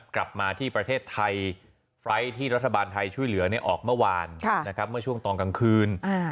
กลับมาที่ประเทศไทยไฟล์ทที่รัฐบาลไทยช่วยเหลือออกเมื่อวานเมื่อช่วงตอนกลางคืน